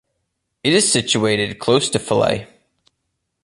It is situated close to Falaise.